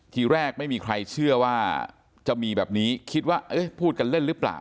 ทีแรกไม่มีใครเชื่อว่าจะมีแบบนี้คิดว่าพูดกันเล่นหรือเปล่า